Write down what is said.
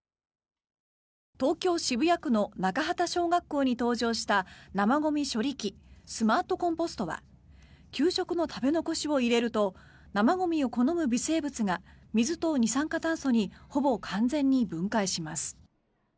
東京・渋谷区の中幡小学校に登場した生ゴミ処理機スマートコンポストは給食の食べ残しを入れると生ゴミを好む微生物が水と二酸化炭素にほぼ完全に分解します。